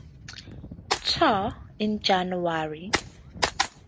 Tour in January.